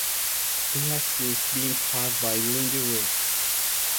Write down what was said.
He has since been passed by Lindy Ruff.